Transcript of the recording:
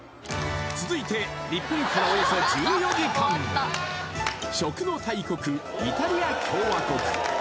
続いて日本からおよそ１４時間、食の大国、イタリア共和国。